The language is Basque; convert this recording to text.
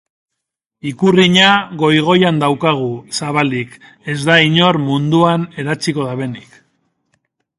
Ikurriña goi-goian daukagu zabalik ez da iñor munduan eratsiko dabenik.